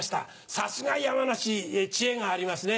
さすが山梨知恵がありますね。